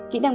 kỹ năng ba